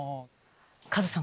カズさん